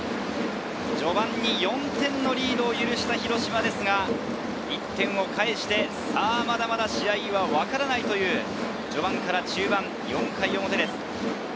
序盤に４点のリードを許した広島ですが、１点をかえして、まだまだ試合はわからないという序盤から中盤、４回表です。